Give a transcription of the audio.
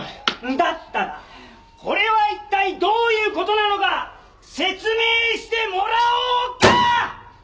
だったらこれは一体どういう事なのか説明してもらおうか！